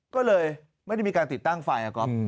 ก็เลยไม่ได้มีการติดตั้งไฟอะก๊อฟ